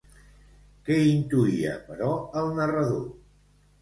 Què intuïa, però, el narrador?